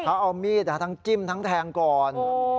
เขาเอามีดทั้งจิ้มทั้งแทงก่อน